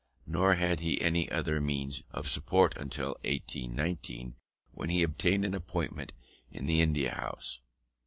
Nor had he any other means of support until 1819, when he obtained an appointment in the India House.